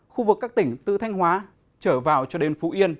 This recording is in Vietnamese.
khu vực các tỉnh từ thanh hóa trở vào cho đến phú yên